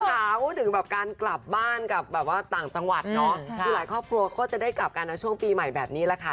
ข่าวถึงการกลับบ้านกับต่างจังหวัดหลายครอบครัวก็จะได้กลับกันช่วงปีใหม่แบบนี้ละค่ะ